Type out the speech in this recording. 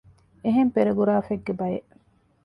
އެހެން ޕެރެގުރާފެއްގެ ބައެއް